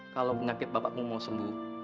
kalau penyakit bapakmu mau sembuh